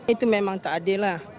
itu memang tak adil lah